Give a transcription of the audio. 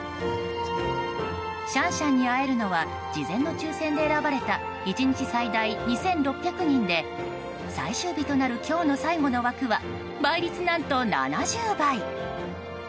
シャンシャンに会えるのは事前の抽選で選ばれた１日最大２６００人で最終日となる今日の最後の枠は倍率何と７０倍。